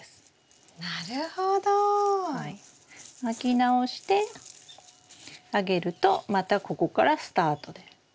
巻き直してあげるとまたここからスタートです。